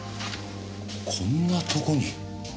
こんなとこに？